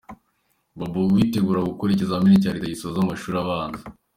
Babou witegura gukora ikizamini cya Leta gisoza amashuri abanza.